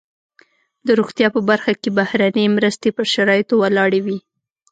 د روغتیا په برخه کې بهرنۍ مرستې پر شرایطو ولاړې وي.